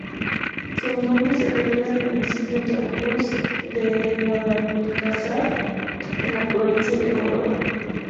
Su nombre se refiere al municipio andaluz de Guadalcázar, en la provincia de Córdoba.